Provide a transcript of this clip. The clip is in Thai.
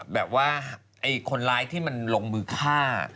แบบว่าคนร้ายที่มันลงมือฆ่า